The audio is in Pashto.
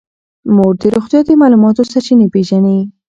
مور د روغتیا د معلوماتو سرچینې پېژني.